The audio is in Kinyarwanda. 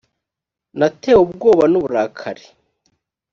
natewe ubwoba n uburakari